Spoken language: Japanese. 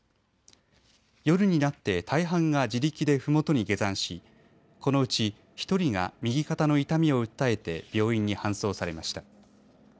夜になって大半が自力でふもとに下山しこのうち１人が右肩の痛みを訴えて病院に搬送されました。